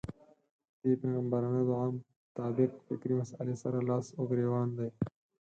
دې پيغمبرانه دعا مطابق فکري مسئلې سره لاس و ګرېوان دی.